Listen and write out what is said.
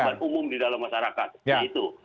obat umum di dalam masyarakat